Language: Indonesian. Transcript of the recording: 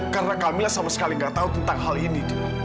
karena camilla sama sekali gak tau tentang hal ini dil